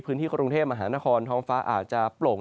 พื้นที่กรุงเทพมหานครท้องฟ้าอาจจะโปร่ง